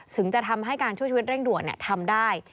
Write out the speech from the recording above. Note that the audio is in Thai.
ถึงจะทำให้การช่วยชีวิตเร่งด่วนทำได้